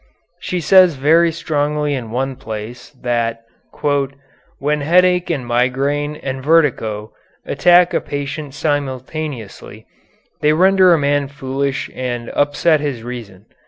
She says very strongly in one place that "when headache and migraine and vertigo attack a patient simultaneously they render a man foolish and upset his reason.